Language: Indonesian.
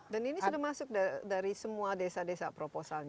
dan ini sudah masuk dari semua desa desa proposalnya